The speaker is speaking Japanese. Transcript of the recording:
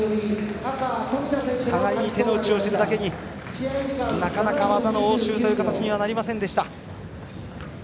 互いに手の内を知るだけになかなか技の応酬という形にはなりませんでした。